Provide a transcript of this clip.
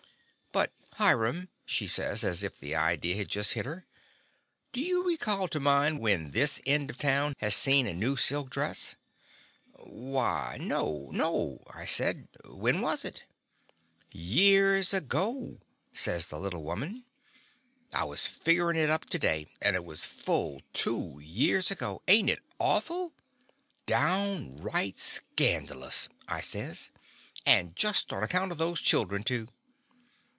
But, Hiram/' she says, as if the idee had just hit her, "do you re call to mind when this end of town has seen a new silk dress"?'' "Why, no — no," I said; "when was it?' "Years ago !" says the little woman. "I was figgerin' it up to day, and it was full two years ago. Ain't it aw ful?' "Downright scandalous!" I says. "And just on account of those chil dren, too!"